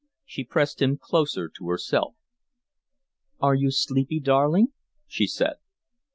She pressed him closer to herself. "Are you sleepy, darling?" she said.